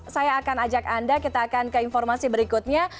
saya akan ajak anda kita akan ke informasi berikutnya